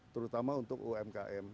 terutama untuk umkm